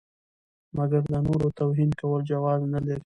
مګر د نورو توهین کول جواز نه لري.